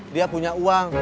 dia punya uang